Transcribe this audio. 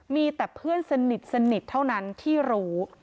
มีแต่เพื่อนสนิทเท่านั้นที่รู้